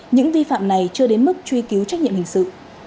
những vi phạm này chưa đến mức truy cứu trách nhiệm hình sự